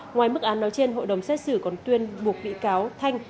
ngoài mức án nói trên hội đồng xét xử còn tuyên buộc bị cáo thanh